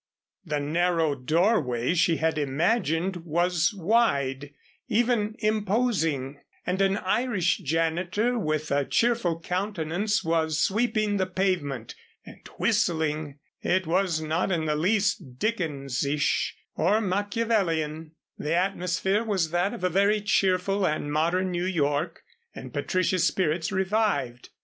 The narrow doorway she had imagined was wide even imposing, and an Irish janitor with a cheerful countenance, was sweeping the pavement and whistling. It was not in the least Dickens ish, or Machiavellian. The atmosphere was that of a very cheerful and modern New York and Patricia's spirits revived.